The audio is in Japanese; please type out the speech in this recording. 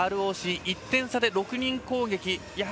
ＲＯＣ、１点差で６人攻撃。